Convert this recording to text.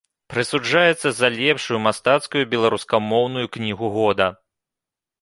Прысуджаецца за лепшую мастацкую беларускамоўную кнігу года.